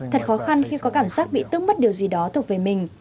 thật khó khăn khi có cảm giác bị tước mất điều gì đó thuộc về mình